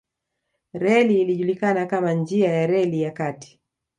Reli ilijulikana kama njia ya reli ya kati